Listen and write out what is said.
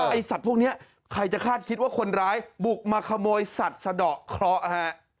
ไอ้สัตว์พวกนี้ใครจะคาดคิดว่าคนร้ายบุกมาขโมยสัตว์สะดอกเคราะห์ฮะ